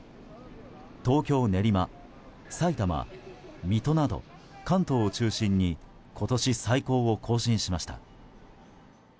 東京・練馬、さいたま、水戸など関東を中心に今年最高を更新しました。